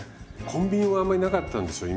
コンビニもあんまりなかったんですよ。